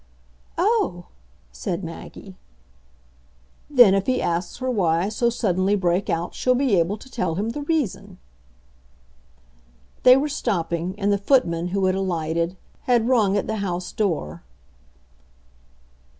"Oh!" said Maggie. "Then if he asks her why I so suddenly break out she'll be able to tell him the reason." They were stopping, and the footman, who had alighted, had rung at the house door.